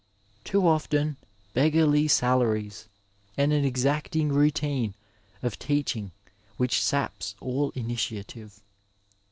Too often beggarly salaries and an exacting routine of teaching which saps all initiative.